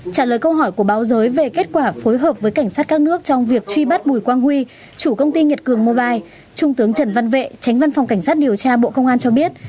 trả lời câu hỏi của báo giới về kết quả phối hợp với cảnh sát các nước trong việc truy bắt bùi quang huy chủ công ty nhật cường mobile trung tướng trần văn vệ tránh văn phòng cảnh sát điều tra bộ công an cho biết